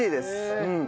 うん。